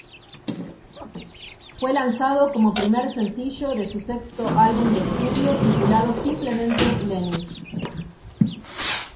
Fue lanzado como primer sencillo de su sexto álbum de estudio titulado simplemente Lenny.